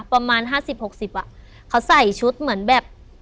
ประมาณห้าสิบหกสิบอ่ะเขาใส่ชุดเหมือนแบบ